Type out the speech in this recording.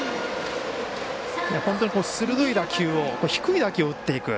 鋭い打球を低い打球を打っていく。